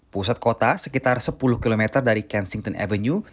pusat kota sekitar sepuluh km dari kensington avenue